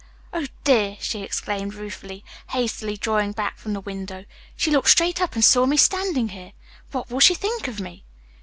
Oh dear!" she exclaimed ruefully, hastily drawing back from the window, "she looked straight up and saw me standing here. What will she think of me?"